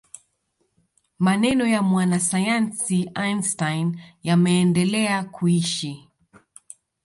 maneno ya mwanasayansi einstein yameendelea kuishi